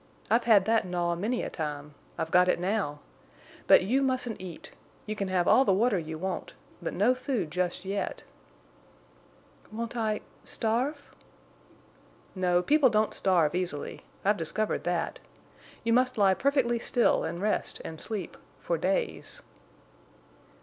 "I've had that gnaw many a time. I've got it now. But you mustn't eat. You can have all the water you want, but no food just yet." "Won't I—starve?" "No, people don't starve easily. I've discovered that. You must lie perfectly still and rest and sleep—for days."